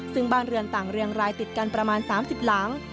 ซึ่งบ้านเรือนต่างเรียงรายติดกันประมาณ๓๐หลัง